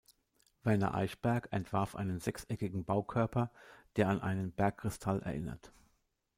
Werner Eichberg entwarf einen sechseckigen Baukörper, der an einen Bergkristall erinnert.